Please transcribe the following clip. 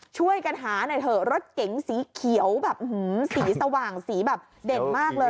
ช่วยกันหาหน่อยเถอะรถเก๋งสีเขียวแบบสีสว่างสีแบบเด่นมากเลย